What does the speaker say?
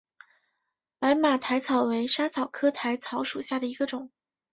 白马薹草为莎草科薹草属下的一个种。